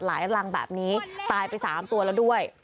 หลังรังแบบนี้ตายไป๓ตัวแล้วด้วย